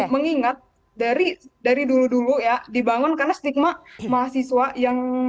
mengingat dari dulu dulu ya dibangun karena stigma mahasiswa yang